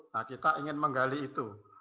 nah kita ingin menggali itu